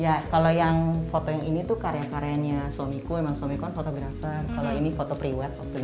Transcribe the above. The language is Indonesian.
ya kalau yang foto yang ini tuh karya karyanya suamiku emang suamiku fotografer kalau ini foto pre wed waktu